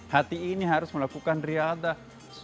hati ini harus melakukan riadah ⁇